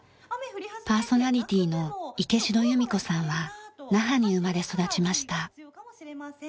パーソナリティーの池城優美子さんは那覇に生まれ育ちました。